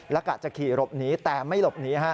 และกะจะขี่หลบหนีแต่ไม่หลบหนีฮะ